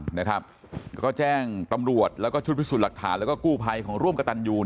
นะครับก็แจ้งตำรวจแล้วก็ชุดพิสูจน์หลักฐานแล้วก็กู้ภัยของร่วมกระตันยู